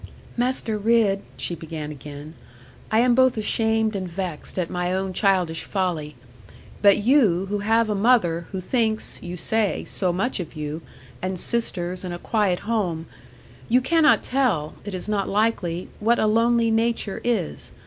'Master Ridd,' she began again, 'I am both ashamed and vexed at my own childish folly. But you, who have a mother, who thinks (you say) so much of you, and sisters, and a quiet home; you cannot tell (it is not likely) what a lonely nature is.